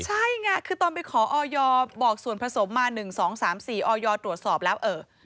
ใช่ไงคือตอนไปขอออยบอกส่วนผสมมา๑๒๓๔ออยตรวจสอบแล้วเออ